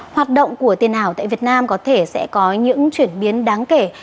hoạt động của tiền ảo tại việt nam có thể sẽ có những chuyển biến đáng kể